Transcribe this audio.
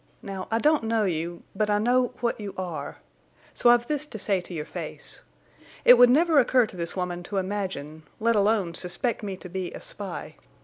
Now I don't know you; but I know—what you are. So I've this to say to your face. It would never occur to this woman to imagine—let alone suspect me to be a spy.